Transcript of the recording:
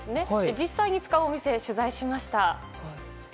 実際に使うお店を取材しました。